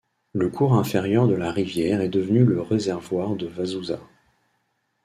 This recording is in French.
Le cours inférieur de la rivière est devenu le réservoir de Vazouza.